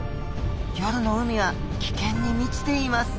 夜の海は危険に満ちています。